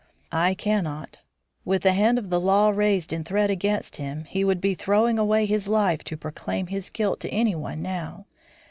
"I cannot. With the hand of the law raised in threat against him, he would be throwing away his life to proclaim his guilt to anyone now.